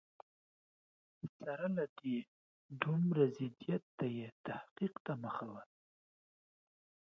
سره له دې دومره ضدیته یې تحقیق ته مخه وه.